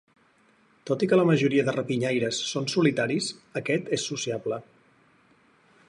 Tot i que la majoria de rapinyaires són solitaris, aquest és sociable.